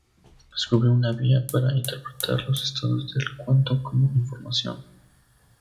Descubrió una vía para interpretar los estados del cuanto como información.